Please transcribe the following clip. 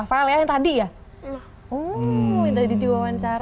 oh yang tadi di wawancara